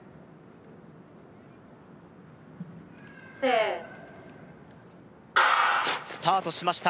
Ｓｅｔスタートしました